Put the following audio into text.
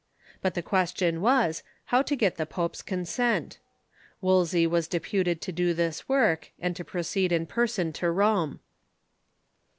But tlie question was, how to get the pope's consent. Wolsey was deputed to do this work, and to proceed in person to Rome.